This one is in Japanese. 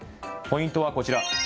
ポイントはこちら。